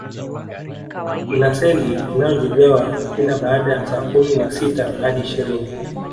Ina seli inayojigawa kila baada ya saa kumi na sita hadi ishirini